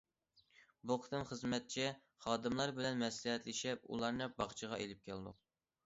بۇ قېتىم خىزمەتچى خادىملار بىلەن مەسلىھەتلىشىپ، ئۇلارنى باغچىغا ئېلىپ كەلدۇق.